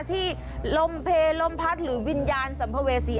ที่ลมเพลลมพัดหรือวิญญาณสัมภเวษี